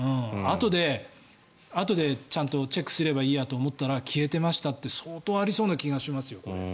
あとでちゃんとチェックすればいいやと思ったら消えてましたって相当ありそうな気がしますよ。